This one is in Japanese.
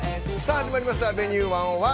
始まりました「Ｖｅｎｕｅ１０１」。